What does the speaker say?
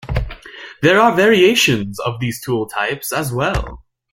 There are variations of these tool types as well.